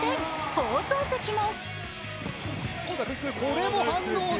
放送席も。